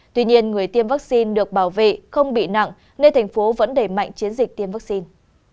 tuy nhiên người tiêm vaccine được bảo vệ không bị nặng nên thành phố vẫn đẩy mạnh chiến dịch tiêm vaccine